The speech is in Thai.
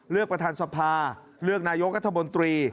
เลือกประธานสภาเลือกนายกรรธบนตรี